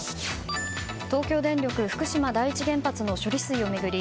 東京電力福島第一原発の処理水を巡り